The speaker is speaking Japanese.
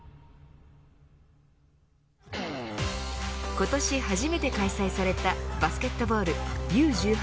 今年初めて開催されたバスケットボールＵ１８